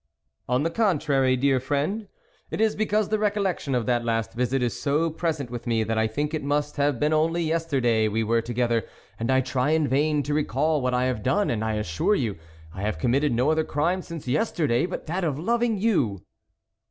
" On the contrary, dear friend, it is be cause the recollection of that last visit is so present with me, that I think it must have been only yesterday we were to gether, and I try in vain to recall what I have done, and I assure you I have com mitted no other crime since yesterday but that of loving you."